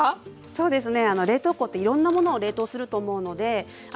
そうですね。